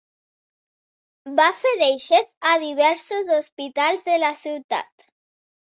Va fer deixes a diversos hospitals de la ciutat.